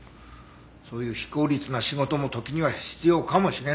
そういう非効率な仕事も時には必要かもしれない。